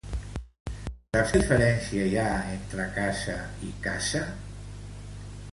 Saps quina diferència hi ha entre casa i caça?